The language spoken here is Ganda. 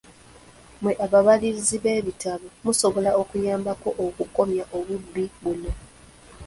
Mwe ababalirizi b'ebitabo musobola okuyambako okukomya obubbi buno.